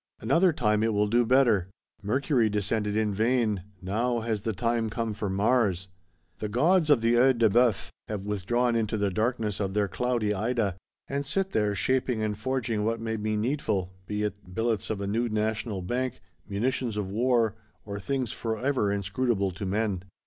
Another time it will do better. Mercury descended in vain; now has the time come for Mars.—The gods of the Œil de Bœuf have withdrawn into the darkness of their cloudy Ida; and sit there, shaping and forging what may be needful, be it "billets of a new National Bank," munitions of war, or things forever inscrutable to men.